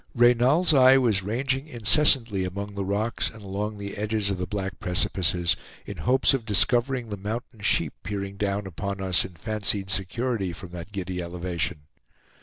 Reynal's eye was ranging incessantly among the rocks and along the edges of the black precipices, in hopes of discovering the mountain sheep peering down upon us in fancied security from that giddy elevation.